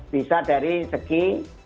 bisa dari segi